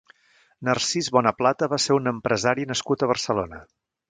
Narcís Bonaplata va ser un empresari nascut a Barcelona.